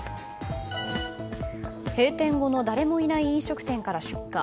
閉店後の誰もいない飲食店から出火。